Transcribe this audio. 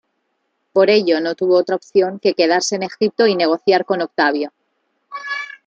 Por ello no tuvo otra opción que quedarse en Egipto y negociar con Octavio.